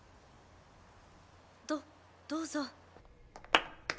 どどうぞ。